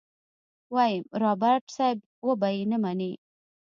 ويم رابرټ صيب وبه يې نه منې.